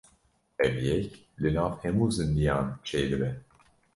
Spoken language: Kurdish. Ev yek li nav hemû zindiyan çêdibe.